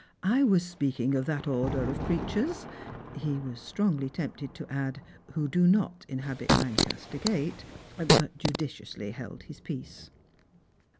"I was speaking of that order ot creatures." He was strongly tempted to add, " who do not inhabit Lancaster gate," but judiciously held his peace.